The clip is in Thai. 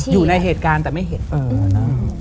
อยู่ในเหตุการณ์แต่ไม่เห็นเออนะ